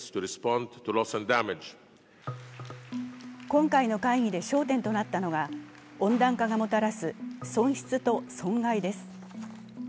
今回の会議で焦点となったのが温暖化がもたらす損失と損害です。